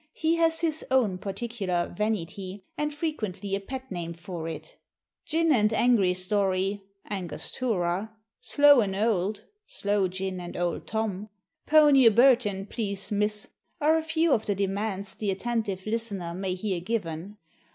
He has his own particular "vanity," and frequently a pet name for it. "Gin and angry story" (Angostura), "slow and old" (sloe gin and Old Tom), "pony o' Burton, please miss," are a few of the demands the attentive listener may hear given.